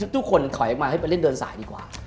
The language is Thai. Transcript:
ทุกคนถอยออกมาให้ไปเล่นเดินสายดีกว่า